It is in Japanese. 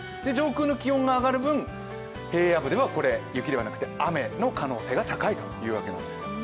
上空の気温が上がる分、平野部では雪ではなくて雨の可能性が高いんです。